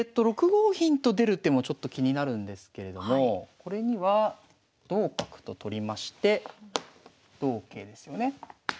６五銀と出る手もちょっと気になるんですけれどもこれには同角と取りまして同桂ですよね。